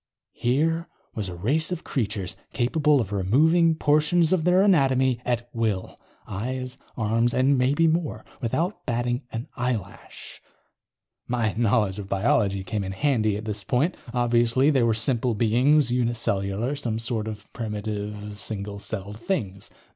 Here was a race of creatures capable of removing portions of their anatomy at will. Eyes, arms and maybe more. Without batting an eyelash. My knowledge of biology came in handy, at this point. Obviously they were simple beings, uni cellular, some sort of primitive single celled things.